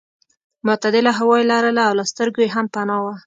معتدله هوا یې لرله او له سترګو یې هم پناه وه.